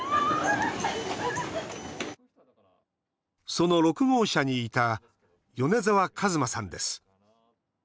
その６号車にいた米澤和真さんです。